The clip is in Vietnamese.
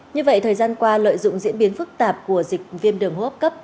như vậy thời gian qua lợi dụng diễn biến phức tạp của dịch viêm đường hốp cấp